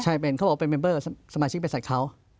ใช่เป็นเขาบอกเป็นเมมเบอร์สมาชิกบริษัทเขา